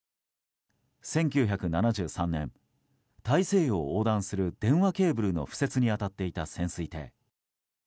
１９７３年大西洋を横断する電話ケーブルの敷設に当たっていた潜水艇。